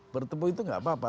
bertemu itu nggak apa apa